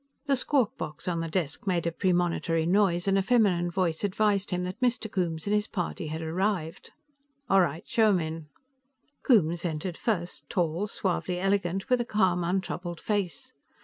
The squawk box on the desk made a premonitory noise, and a feminine voice advised him that Mr. Coombes and his party had arrived. "All right; show them in." Coombes entered first, tall suavely elegant, with a calm, untroubled face.